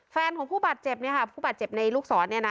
แฟนของผู้บาดเจ็บเนี่ยค่ะผู้บาดเจ็บในลูกศรเนี่ยนะ